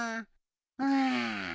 うん。